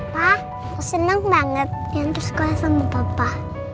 pa seneng banget yang terus gue sama papa